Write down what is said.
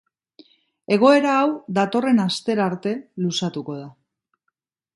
Egoera hau datorren astera arte luzatuko da.